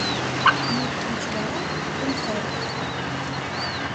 Мут деч вара – концерт.